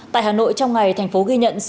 tại hà nội trong ngày thành phố ghi nhận